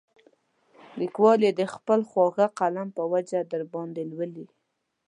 لیکوال یې د خپل خواږه قلم په وجه درباندې لولي.